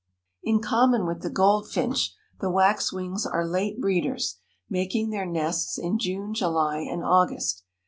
In common with the goldfinch, the waxwings are late breeders, making their nests in June, July, and August.